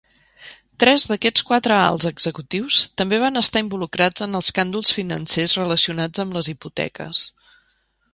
Tres d'aquests quatre alts executius també van estar involucrats en escàndols financers relacionats amb les hipoteques.